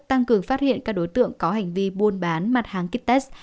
tăng cường phát hiện các đối tượng có hành vi buôn bán mặt hàng kit test